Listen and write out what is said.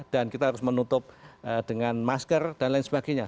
dan kita harus menutup dengan masker dan lain sebagainya